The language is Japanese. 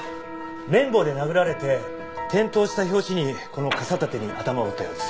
麺棒で殴られて転倒した拍子にこの傘立てに頭を打ったようです。